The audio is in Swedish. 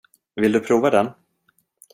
Vill du prova den?